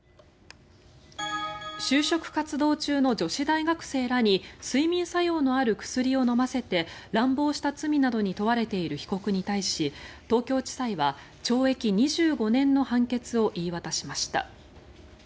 就職活動中の女子大学生らに睡眠作用のある薬を飲ませて乱暴した罪などに問われている被告に対し東京地裁は懲役２５年の判決を言い渡しました。